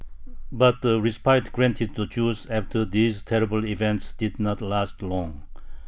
But the respite granted to the Jews after these terrible events did not last long.